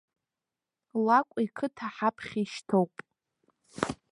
Лакә иқыҭа ҳаԥхьа ишьҭоуп.